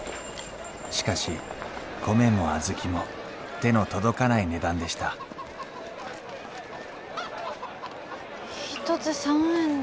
しかし米も小豆も手の届かない値段でした一つ３円ですか？